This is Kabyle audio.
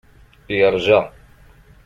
Yeṛja.